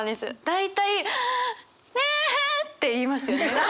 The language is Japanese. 大体「ああへえ！」って言いますよね。